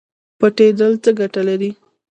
پټیدل څه ګټه لري؟